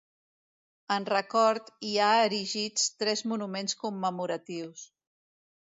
En record hi ha erigits tres monuments commemoratius.